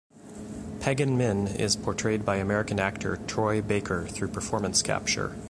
Pagan Min is portrayed by American actor Troy Baker through performance capture.